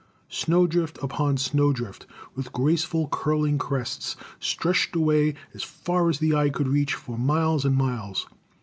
Snow drift upon snow drift, with gracefully curling crests, stretched away as far as the eye could reach, for miles and miles.